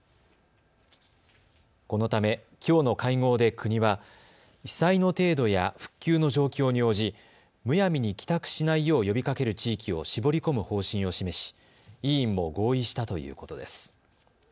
このため、きょうの会合で国は被災の程度や復旧の状況に応じむやみに帰宅しないよう呼びかける地域を絞り込む方針を示し委員も合意したということです。